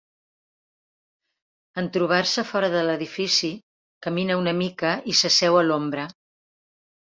En trobar-se fora de l'edifici camina una mica i s'asseu a l'ombra.